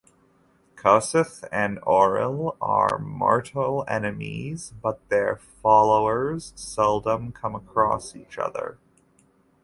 Kossuth and Auril are mortal enemies, but their followers seldom come across each other.